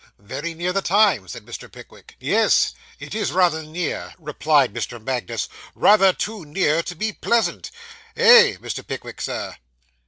'Very near the time,' said Mr. Pickwick. 'Yes, it is rather near,' replied Mr. Magnus, 'rather too near to be pleasant eh! Mr. Pickwick, sir?